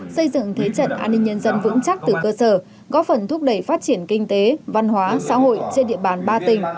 xây dựng thế trận an ninh nhân dân vững chắc từ cơ sở góp phần thúc đẩy phát triển kinh tế văn hóa xã hội trên địa bàn ba tỉnh